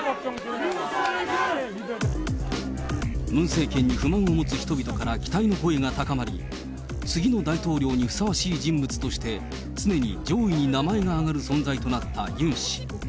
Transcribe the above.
ムン政権に不満を持つ人々から期待の声が高まり、次の大統領にふさわしい人物として、常に上位に名前が挙がる存在となったユン氏。